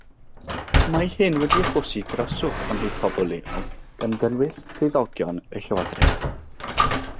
Mae hyn wedi achosi dryswch ymhlith pobl leol, gan gynnwys swyddogion y llywodraeth.